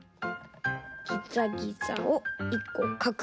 ギザギザを１こかく。